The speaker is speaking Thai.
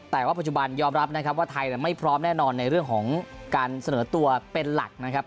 แต่ว่าปัจจุบันยอมรับนะครับว่าไทยไม่พร้อมแน่นอนในเรื่องของการเสนอตัวเป็นหลักนะครับ